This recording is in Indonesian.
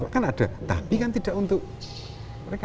kan ada tapi kan tidak untuk mereka